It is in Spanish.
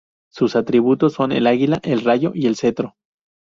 Sus atributos son el águila, el rayo, y el cetro.